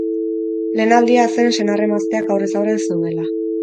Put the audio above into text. Lehen aldia zen senar-emazteak aurrez-aurre zeudela.